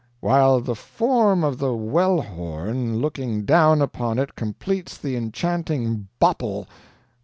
"'While the form of the Wellhorn looking down upon it completes the enchanting BOPPLE.'